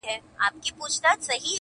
• زه ټپه یم د ملالي چي زړېږم لا پخېږم,